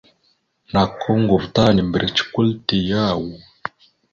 Nakw koŋgov ta nambrec kwal te yaw?